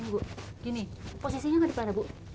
gini posisinya nggak di depan bu